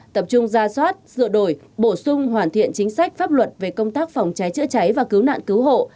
tập trung ra soát sửa đổi bổ sung hoàn thiện chính sách pháp luật về công tác phòng cháy chữa cháy và cứu nạn cứu hộ